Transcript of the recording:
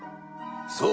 そう。